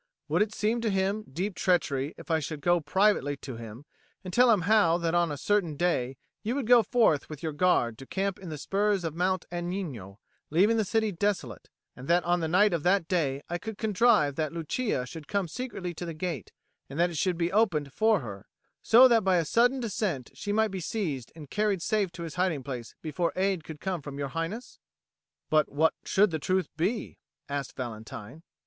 Would it seem to him deep treachery if I should go privately to him and tell him how that on a certain day you would go forth with your guard to camp in the spurs of Mount Agnino, leaving the city desolate, and that on the night of that day I could contrive that Lucia should come secretly to the gate, and that it should be opened for her, so that by a sudden descent she might be seized and carried safe to his hiding place before aid could come from Your Highness?" "But what should the truth be?" asked Valentine.